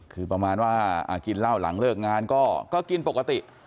คือประมาณว่ากินเหล้าหลังเลิกงานก็กินปกติ